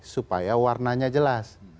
supaya warnanya jelas